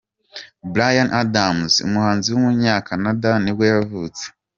Bryan Adams, umuhanzi w’umunyakanada nibwo yavutse.